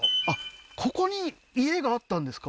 ここに家があったんですか？